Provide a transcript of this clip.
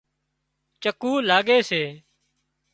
چڪُولاڳي سي